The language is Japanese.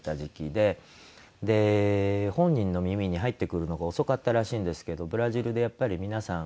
で本人の耳に入ってくるのが遅かったらしいんですけどブラジルでやっぱり皆さん